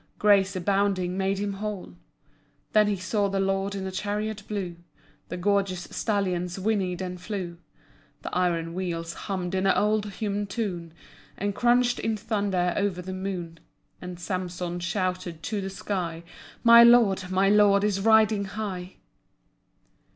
Grace abounding made him whole. Then he saw the Lord in a chariot blue. The gorgeous stallions whinnied and flew. The iron wheels hummed an old hymn tune And crunched in thunder over the moon. And Samson shouted to the sky: "My Lord, my Lord is riding high."